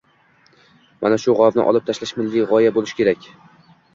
Mana shu g‘ovni olib tashlash milliy g‘oya bo‘lishi kerak.